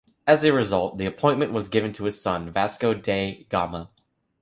As a result, the appointment was given to his son, Vasco da Gama.